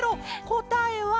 こたえは。